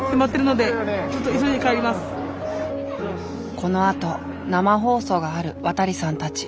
このあと生放送がある渡さんたち。